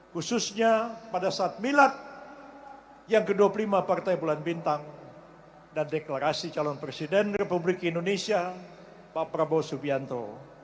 khususnya pada saat milad yang ke dua puluh lima partai bulan bintang dan deklarasi calon presiden republik indonesia pak prabowo subianto